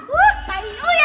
kak ibu ya